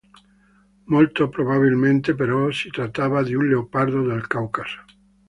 Molto probabilmente, però, si trattava di un leopardo del Caucaso.